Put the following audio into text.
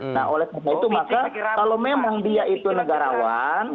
nah oleh karena itu maka kalau memang dia itu negarawan